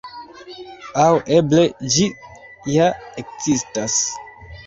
Aŭ eble ĝi ja ekzistas.